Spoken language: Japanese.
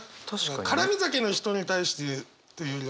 絡み酒の人に対してというよりは。